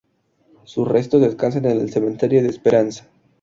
Sus restos descansan en el Cementerio de Esperanza.